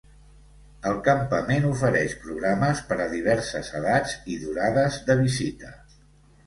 El campament ofereix programes per a diverses edats i durades de visita.